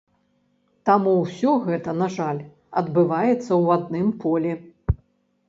Таму ўсё гэта, на жаль, адбываецца ў адным полі.